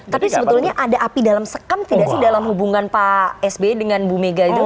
tapi sebetulnya ada api dalam sekam tidak sih dalam hubungan pak sby dengan bu mega itu